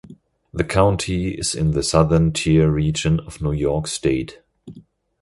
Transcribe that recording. The county is in the Southern Tier region of New York State.